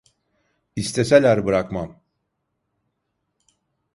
İsteseler bırakmam!